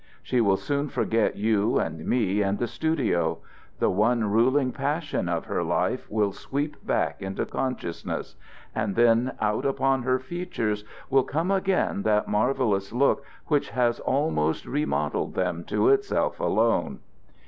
She will soon forget you and me and the studio; the one ruling passion of her life will sweep back into consciousness; and then out upon her features will come again that marvelous look which has almost remodeled them to itself alone."